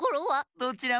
どちらも。